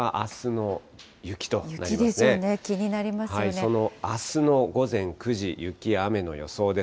そのあすの午前９時、雪や雨の予想です。